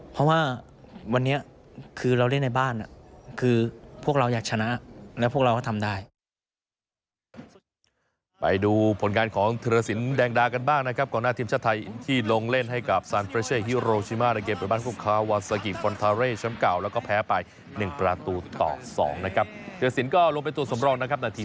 เพราะว่าวันนี้คือเราเล่นในบ้านคือพวกเราอยากชนะและพวกเราก็ทำได้